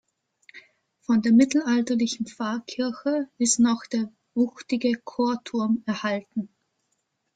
Von der mittelalterlichen Pfarrkirche ist noch der wuchtige Chorturm erhalten.